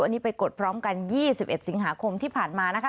อันนี้ไปกดพร้อมกัน๒๑สิงหาคมที่ผ่านมานะคะ